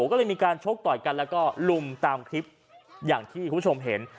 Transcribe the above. ก็เลยมีการชกต่อยกันแล้วก็ลุมตามคลิปอย่างที่คุณผู้ชมเห็น